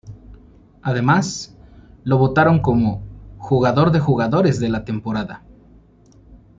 Además, lo votaron como "Jugador de jugadores de la temporada".